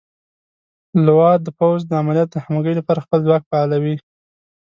لوا د پوځ د عملیاتو د همغږۍ لپاره خپل ځواک فعالوي.